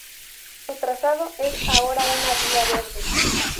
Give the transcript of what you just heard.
Su trazado es ahora una vía verde.